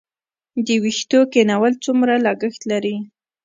د ویښتو کینول څومره لګښت لري؟